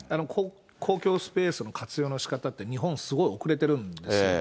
公共スペースの活用のしかたって、日本すごい遅れてるんですよ。